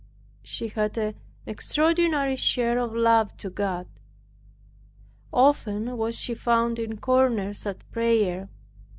She had an extraordinary share of love to God. Often was she found in corners at prayer.